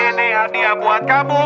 ini hadiah buat kamu